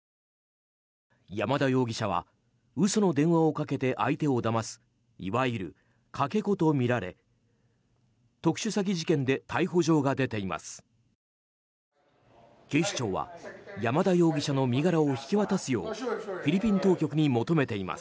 山田容疑者は嘘の電話をかけて相手をだますいわゆる、かけ子とみられ特殊詐欺事件で逮捕状が出ています。